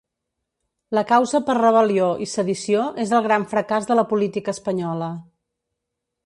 La causa per rebel·lió i sedició és el gran fracàs de la política espanyola.